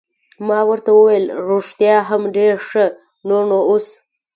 ما ورته وویل: رښتیا هم ډېر ښه، نور نو اوس.